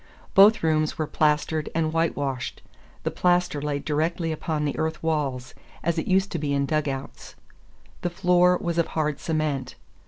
Both rooms were plastered and whitewashed—the plaster laid directly upon the earth walls, as it used to be in dugouts. The floor was of hard cement.